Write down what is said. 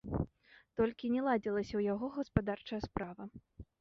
Толькі не ладзілася ў яго гаспадарчая справа.